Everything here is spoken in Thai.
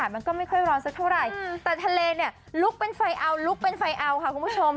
มันก็ไม่ค่อยร้อนสักเท่าไหร่แต่ทะเลเนี่ยลุกเป็นไฟเอาลุกเป็นไฟเอาค่ะคุณผู้ชม